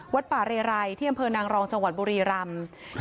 ป่าเรไรที่อำเภอนางรองจังหวัดบุรีรำ